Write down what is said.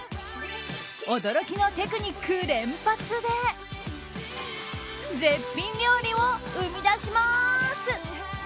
驚きのテクニック連発で絶品料理を生み出します！